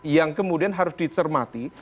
yang kemudian harus dicermati